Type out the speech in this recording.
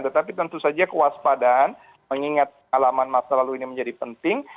tetapi tentu saja kewaspadaan mengingat alaman masa lalu ini menjadi penting